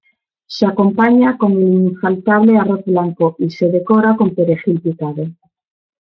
Se acompaña con el infaltable arroz blanco, y se decora con perejil picado.